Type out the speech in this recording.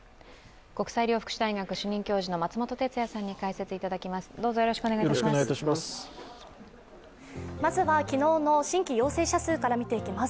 国際医療福祉大学主任教授の松本哲哉さんに解説をいただきます。